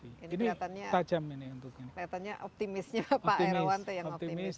ini kelihatannya optimisnya pak erawante yang optimis